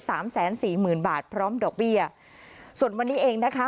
สามแสนสี่หมื่นบาทพร้อมดอกเบี้ยส่วนวันนี้เองนะคะ